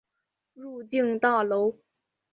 入境大楼